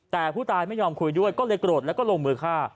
แต่ผู้ตายไม่ยอมคุยด้วยก็เลยโกรธแล้วก็ลงมือฆ่า